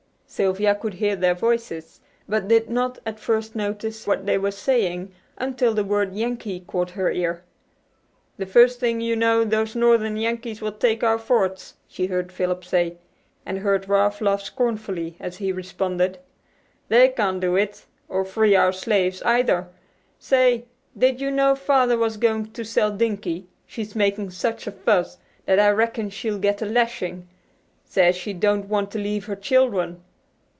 Sylvia could hear their voices, but did not at first notice what they were saying until the word "Yankee" caught her ear. "The first thing you know those northern Yankees will take our forts," she heard Philip say, and heard Ralph laugh scornfully as he responed: "They can't do it, or free our slaves, either. Say, did you know Father was going to sell Dinkie; she's making such a fuss that I reckon she'll get a lashing; says she don't want to leave her children."